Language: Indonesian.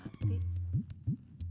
aduh eh ajar kamu alex